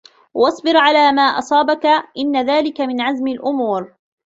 وَاصْبِرْ عَلَى مَا أَصَابَك إنَّ ذَلِكَ مِنْ عَزْمِ الْأُمُورِ